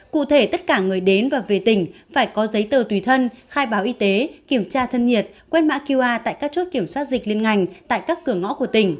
cụ thể tất cả người đến và về tỉnh phải có giấy tờ tùy thân khai báo y tế kiểm tra thân nhiệt quét mã qr tại các chốt kiểm soát dịch liên ngành tại các cửa ngõ của tỉnh